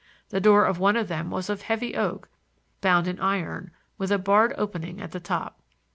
The door of one of them was of heavy oak, bound in iron, with a barred opening at the top.